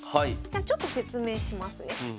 じゃあちょっと説明しますね。